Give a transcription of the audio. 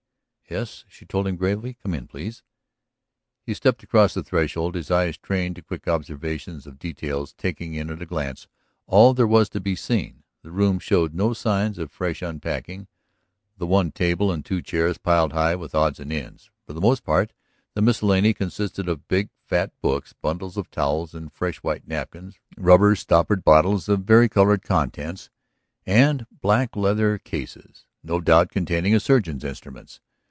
"Yes," she told him gravely. "Come in, please." He stepped across the threshold, his eyes trained to quick observation of details taking in at a glance all there was to be seen. The room showed all signs of a fresh unpacking, the one table and two chairs piled high with odds and ends. For the most part the miscellany consisted of big, fat books, bundles of towels and fresh white napkins, rubber stoppered bottles of varicolored contents, and black leather cases, no doubt containing a surgeon's instruments.